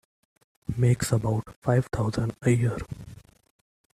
Makes about five thousand a year.